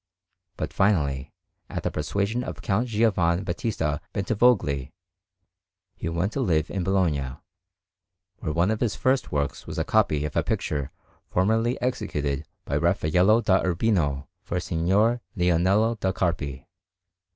But finally, at the persuasion of Count Giovan Battista Bentivogli, he went to live in Bologna, where one of his first works was a copy of a picture formerly executed by Raffaello da Urbino for Signor Leonello da Carpi.